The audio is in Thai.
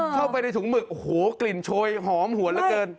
เข้าไปในถุงหมึกโอ้โหกลิ่นโชยหอมหวนเหลือเกิน